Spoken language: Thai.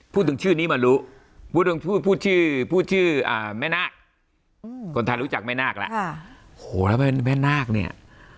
พูดถึงชื่อนี้มารู้พูดถึงพูดชื่อพูดชื่อแม่นาคคนไทยรู้จักแม่นาคแล้วโหแล้วแม่นาคเนี่ย